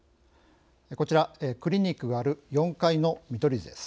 こちらクリニックがある４階の見取り図です。